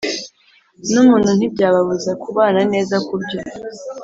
numuntu ntibyababuza kubana neza kubyo